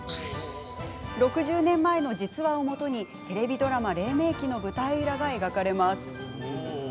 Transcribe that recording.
６０年前の実話をもとにテレビドラマれい明期の舞台裏が描かれます。